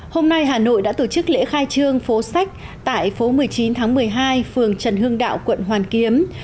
hôm nay hà nội đã tổ chức lễ khai trương phố sách tại phố một mươi chín tháng một mươi hai phường trần hương đạo quận hoàn kiếm